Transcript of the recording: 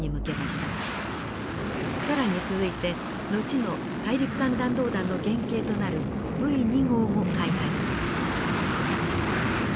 更に続いて後の大陸間弾道弾の原型となるＶ２号も開発。